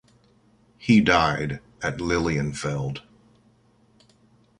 He died at Lilienfeld.